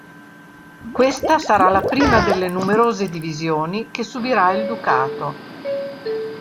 Questa sarà la prima delle numerose divisioni che subirà il ducato.